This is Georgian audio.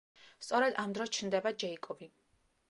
სწორედ ამ დროს ჩნდება ჯეიკობი.